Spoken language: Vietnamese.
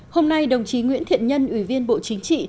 hôm nay đồng chí nguyễn thiện nhân ủy viên bộ chính trị